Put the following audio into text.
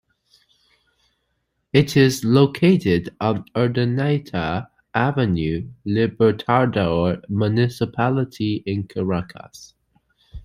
It is located on Urdaneta Avenue, Libertador Municipality in Caracas.